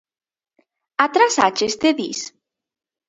¿Atrasácheste dis?